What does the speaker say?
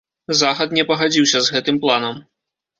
Захад не пагадзіўся з гэтым планам.